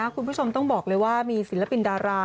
คุณผู้ชมต้องบอกเลยว่ามีศิลปินดารา